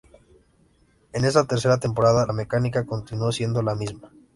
En esta tercera temporada la mecánica continúa siendo la misma.